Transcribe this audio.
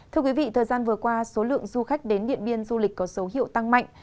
thưa quý vị thời gian vừa qua số lượng du khách đến điện biên du lịch có dấu hiệu tăng mạnh